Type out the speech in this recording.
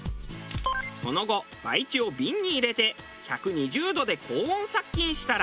その後培地を瓶に入れて１２０度で高温殺菌したら。